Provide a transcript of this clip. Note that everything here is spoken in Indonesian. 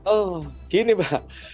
oh gini mbak